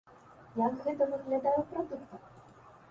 Як гэта выглядае ў прадуктах?